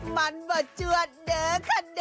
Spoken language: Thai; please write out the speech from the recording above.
มันเจาะเด้อค่ะเด้อ